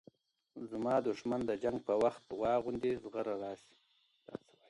زما دښمن د جنګ په وخت واغوندي زغره راسي